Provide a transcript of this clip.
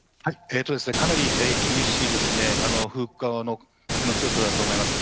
かなり厳しい風の強さだと思います。